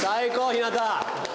ひなた！